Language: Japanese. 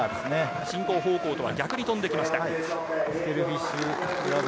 進行方向と逆に飛んできました。